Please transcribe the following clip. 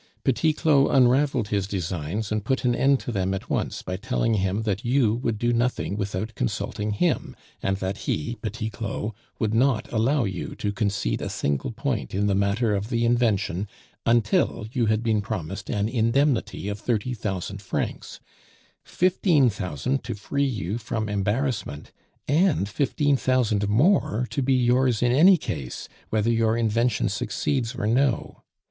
Petit Claud unraveled his designs, and put an end to them at once by telling him that you would do nothing without consulting him, and that he (Petit Claud) would not allow you to concede a single point in the matter of the invention until you had been promised an indemnity of thirty thousand francs; fifteen thousand to free you from embarrassment, and fifteen thousand more to be yours in any case, whether your invention succeeds or no.